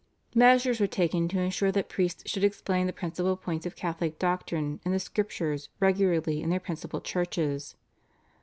Measures were taken to ensure that priests should explain the principal points of Catholic doctrine and the Scriptures regularly in their principal churches.